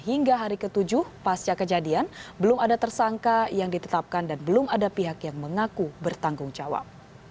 hingga hari ke tujuh pasca kejadian belum ada tersangka yang ditetapkan dan belum ada pihak yang mengaku bertanggung jawab